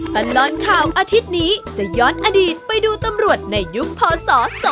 ตลอดข่าวอาทิตย์นี้จะย้อนอดีตไปดูตำรวจในยุคพศ๒๕๖